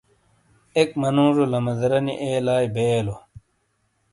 ایک منوجو لمادرینی ایلائی بئیے لو۔